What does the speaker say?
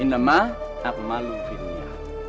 inama akmalu fiduya